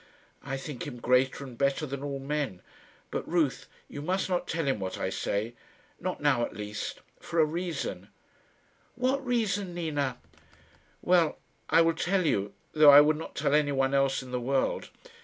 "I think him greater and better than all men; but, Ruth, you must not tell him what I say not now, at least for a reason." "What reason, Nina?" "Well; I will tell you, though I would not tell anyone else in the world.